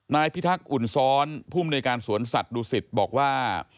พิทักษ์อุ่นซ้อนผู้มนุยการสวนสัตว์ดูสิตบอกว่า